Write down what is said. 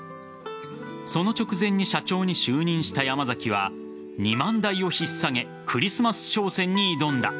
その直前に社長に就任した山崎は２万台を引っ提げクリスマス商戦に挑んだ。